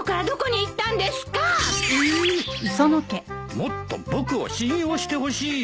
もっと僕を信用してほしいよ。